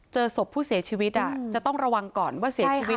เจอศพผู้เสียชีวิตจะต้องระวังก่อนว่าเสียชีวิต